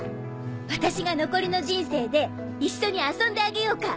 私が残りの人生で一緒に遊んであげようか？